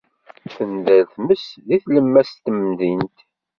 Tender tmes deg tlemmast n temdint.